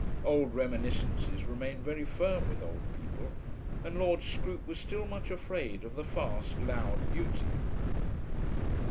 Old reminiscences remain very firm with old people, and Lord Scroope was still much afraid of the fast, loud beauty.